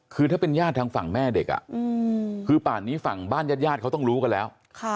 คือถ้าเป็นญาติทางฝั่งแม่เด็กคือป่านนี้ฝั่งบ้านญาติญาติเขาต้องรู้กันแล้ว